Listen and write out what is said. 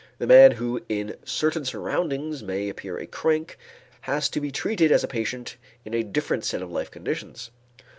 The man who in certain surroundings may appear a crank has to be treated as a patient in a different set of life conditions.